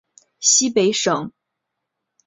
西北省